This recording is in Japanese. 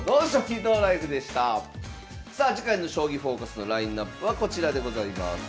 さあ次回の「将棋フォーカス」のラインナップはこちらでございます。